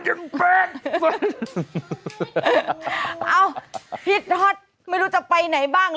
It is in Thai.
เอ้าฮิตฮอตไม่รู้จะไปไหนบ้าง